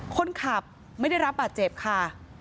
คนขับไม่ได้รับบาดเจ็บค่ะ